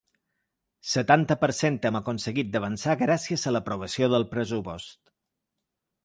Setanta per cent Hem aconseguit d’avançar gràcies a l’aprovació del pressupost.